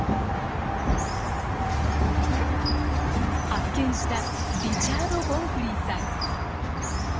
発見したリチャード・ボンフリーさん。